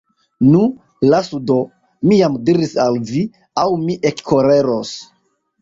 Nu, lasu do, mi jam diris al vi, aŭ mi ekkoleros.